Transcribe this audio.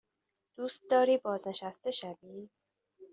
دوست داری بازنشسته شوی؟